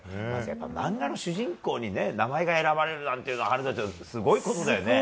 漫画の主人公に名前が選ばれるなんて言うのはすごいですよ。